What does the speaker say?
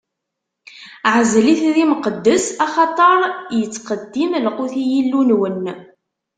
Ɛezl-it d imqeddes, axaṭer ittqeddim lqut n Yillu-nwen.